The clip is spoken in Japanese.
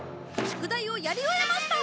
宿題をやり終えました！